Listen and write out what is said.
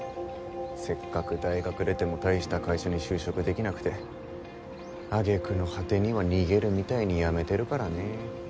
せっかく大学出ても大した会社に就職できなくて揚げ句の果てには逃げるみたいに辞めてるからね。